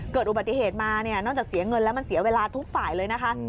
เกิดอุบัติเหตุมาเนี่ยนอกจากเสียเงินแล้วมันเสียเวลาทุกฝ่ายเลยนะคะ